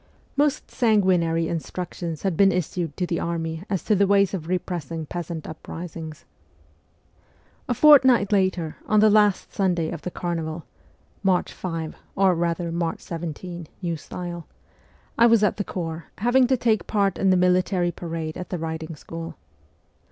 Most sanguinary instructions had been issued to the army as to the ways of repressing peasant uprisings. A fortnight later, on the last Sunday of the carnival (March 5, or rather March 17, new style), I was at the corps, having to take part in the military parade at the riding school.